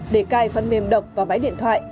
để cài phần mềm độc vào máy điện thoại